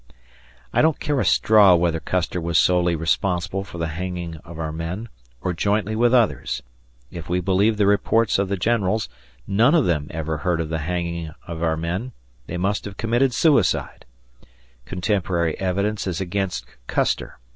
I don't care a straw whether Custer was solely responsible for the hanging of our men, or jointly with others. If we believe the reports of the generals, none of them ever heard of the hanging of our men; they must have committed suicide. Contemporary evidence is against Custer.